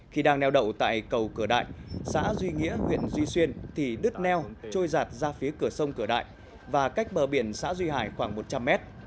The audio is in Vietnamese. khi đang neo đậu tại cầu cửa đại xã duy nghĩa huyện duy xuyên thì đứt neo trôi giạt ra phía cửa sông cửa đại và cách bờ biển xã duy hải khoảng một trăm linh mét